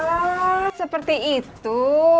oh seperti itu